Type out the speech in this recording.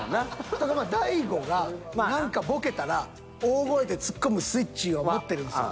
ただまあ大悟が何かボケたら大声でツッコむスイッチを持ってるんすよ